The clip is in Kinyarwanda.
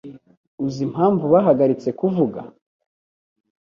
Uzi impamvu bahagaritse kuvuga?